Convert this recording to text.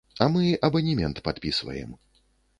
А мы абанемент падпісваем.